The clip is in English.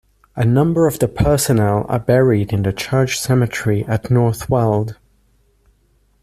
A number of the personnel are buried in the church cemetery at North Weald.